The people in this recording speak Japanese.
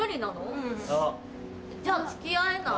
うん。じゃあ付き合えない。